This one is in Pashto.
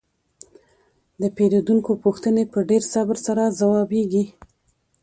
د پیرودونکو پوښتنې په ډیر صبر سره ځوابیږي.